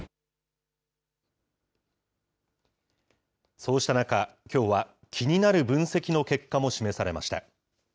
そうした中、きょうは気になる分析の結果も示されました。